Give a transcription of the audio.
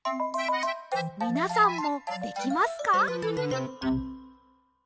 みなさんもできますか？